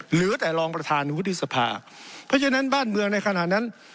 เหลือแต่รองประธานวุฒิสภาเพราะฉะนั้นบ้านเมืองในขณะนั้น